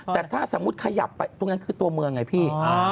แต่ถ้าสมมุติขยับไปตรงนั้นคือตัวเมืองไงพี่